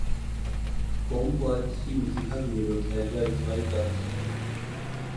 قوم کو آج کسی مسیحا کی ضرورت ہے یا اجتماعی دانش کی؟